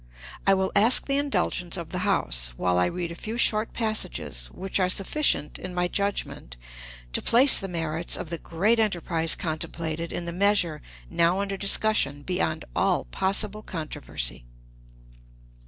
I will ask the indulgence of the House while I read a few short passages, which are sufficient, in my judgment, to place the merits of the great enterprise contemplated in the measure now under discussion beyond all possible controversy.